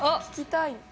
聞きたい。